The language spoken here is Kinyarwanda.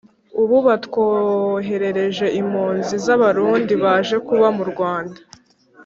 ubu batwoherereje impunzi z’abarundi baje kuba mu rwanda